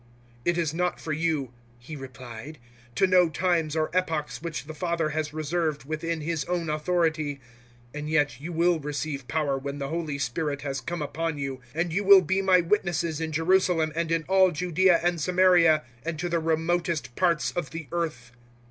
001:007 "It is not for you," He replied, "to know times or epochs which the Father has reserved within His own authority; 001:008 and yet you will receive power when the Holy Spirit has come upon you, and you will be my witnesses in Jerusalem and in all Judaea and Samaria and to the remotest parts of the earth."